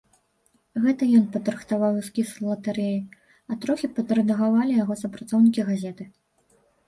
Гэта ён падрыхтаваў эскіз латарэі, а трохі падрэдагавалі яго супрацоўнікі газеты.